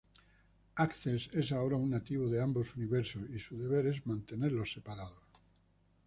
Access es ahora un nativo de ambos universos y su deber es mantenerlos separados.